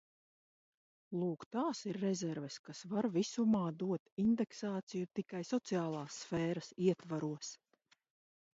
Lūk, tās ir rezerves, kas var visumā dot indeksāciju tikai sociālās sfēras ietvaros.